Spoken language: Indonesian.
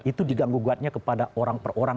itu diganggu kuatnya kepada orang per orang